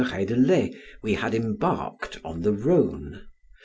Reydelet, we had embarked on the Rhone) M.